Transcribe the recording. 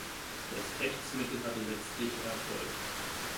Das Rechtsmittel hatte letztlich Erfolg.